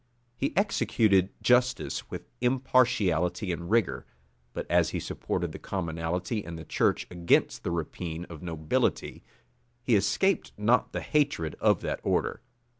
He executed justice with impartiality and rigor; but as he supported the commonalty and the church against the rapine of the nobility, he escaped not the hatred of that order.